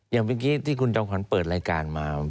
อย่างเมื่อกี้ที่คุณจอมขวัญเปิดรายการมา